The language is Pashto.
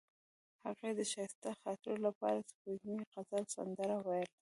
هغې د ښایسته خاطرو لپاره د سپوږمیز غزل سندره ویله.